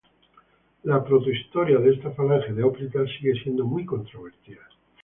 La protohistoria de esta falange de hoplitas sigue siendo muy controvertida.